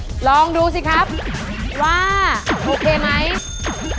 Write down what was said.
อุปกรณ์ทำสวนชนิดใดราคาถูกที่สุด